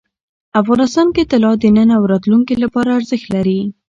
افغانستان کې طلا د نن او راتلونکي لپاره ارزښت لري.